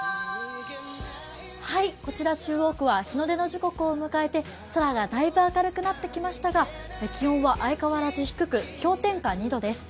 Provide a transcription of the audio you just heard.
こちら中央区は日の出の時刻を迎えて空がだいぶ明るくなってきましたが、気温は相変わらず低く氷点下２度です。